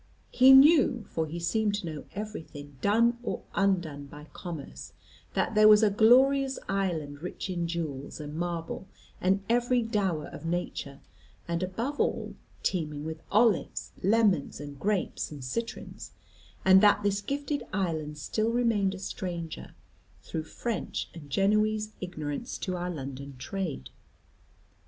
He knew, for he seemed to know everything done or undone by commerce, that there was a glorious island rich in jewels and marble and every dower of nature, and above all teeming with olives, lemons, and grapes, and citrons; and that this gifted island still remained a stranger, through French and Genoese ignorance, to our London trade.